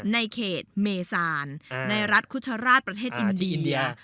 ในเขตเมซานในรัฐคุชราชประเทศอินเดีย